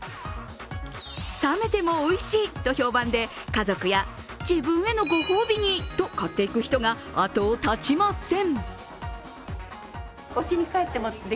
冷めてもおいしいと評判で家族や自分へのご褒美にと買っていく人があとを絶ちません。